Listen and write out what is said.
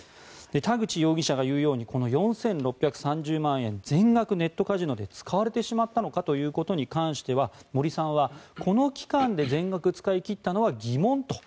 田口容疑者が言うようにこの４６３０万円全額ネットカジノで使われてしまったのかということに関しては森さんはこの期間で全額使い切ったのは疑問と。